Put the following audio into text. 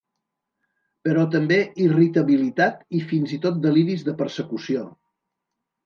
Però també irritabilitat i fins i tot deliris de persecució.